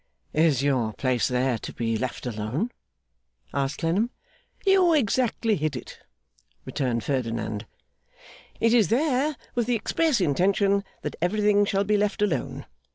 'Is your place there to be left alone?' asked Clennam. 'You exactly hit it,' returned Ferdinand. 'It is there with the express intention that everything shall be left alone.